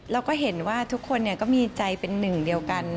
เราก็เห็นว่าทุกคนก็มีใจเป็นหนึ่งเดียวกัน